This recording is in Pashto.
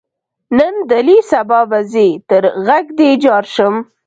نن دلې سبا به ځې تر غږ دې جار شم.